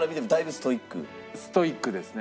ストイックですね。